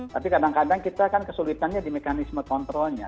tapi kadang kadang kita kan kesulitannya di mekanisme kontrolnya